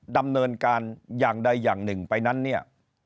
ดำเนินการอย่างใดอย่างหนึ่งไปนั้นเนี่ย